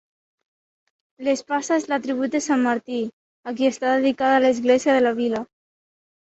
L'espasa és l'atribut de sant Martí, a qui està dedicada l'església de la vila.